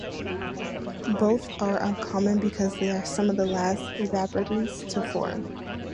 Both are uncommon because they are some of the last evaporites to form.